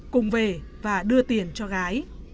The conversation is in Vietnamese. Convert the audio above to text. cùng về và đưa tiền cho gái